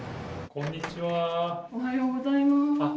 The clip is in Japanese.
おはようございます。